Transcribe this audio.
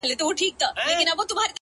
زړه تا دا كيسه شــــــــــروع كــړه؛